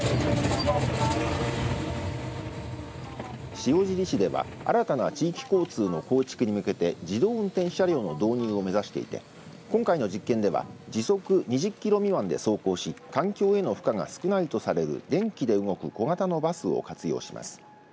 塩尻市では、新たな地域交通の構築に向けて自動運転車両の導入を目指していて今回の実験では時速２０キロ未満で走行し環境への負荷が少ないとされる電気で動く小型のバスを活用します。